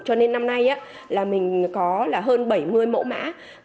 cho nên năm nay là mình có là hơn bảy mươi mẫu mã